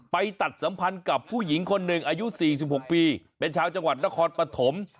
ไปตัดสัมพันธ์กับผู้หญิงคนหนึ่งอายุ๔๖ปีเป็นชาวจังหวัดนครปฐม